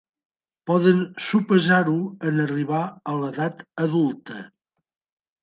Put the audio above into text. Poden sospesar-ho en arribar a l'edat adulta.